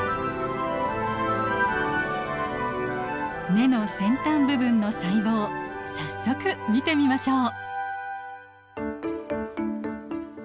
根の先端部分の細胞早速見てみましょう！